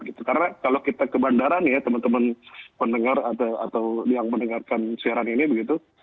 karena kalau kita ke bandara nih ya teman teman pendengar atau yang mendengarkan siaran ini begitu